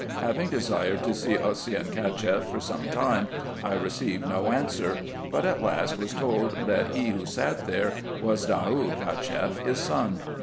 Having desired to see Osseyn Cacheff, for some time I received no answer ; but at last was told, that he who sat there was Daoud Cacheff, his son.